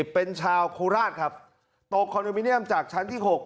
เป็นชาวโคราชครับตกคอนโดมิเนียมจากชั้นที่๖